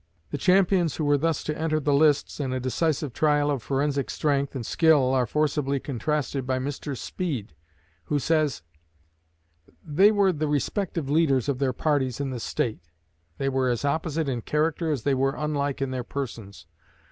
The champions who were thus to enter the lists in a decisive trial of forensic strength and skill are forcibly contrasted by Mr. Speed, who says: "They were the respective leaders of their parties in the State. They were as opposite in character as they were unlike in their persons.